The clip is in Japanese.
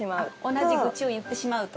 同じ愚痴を言ってしまうと？